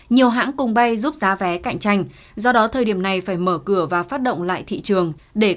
nhiều hãng cùng bay giúp giá vé cạnh tranh do đó thời điểm này phải mở cửa và phát động lại thị trường để có